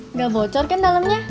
nggak bocor kan dalemnya